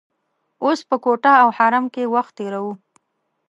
اوس په کوټه او حرم کې وخت تیروو.